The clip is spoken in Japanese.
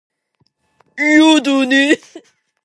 いやだね